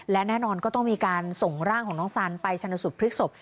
และแน่นอนก็ต้องมีการส่งร่างของน้องสันไปชนสุดพลิกศพ